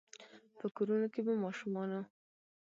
په کورونو کې به ماشومانو،